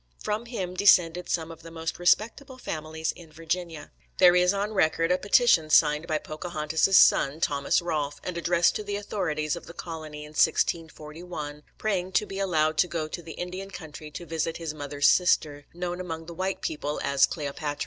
From him descended some of the most respectable families in Virginia. There is on record a petition signed by Pocahontas's son, Thomas Rolfe, and addressed to the authorities of the colony in 1641, praying to be allowed to go to the Indian country to visit his mother's sister, known among the white people as Cleopatra.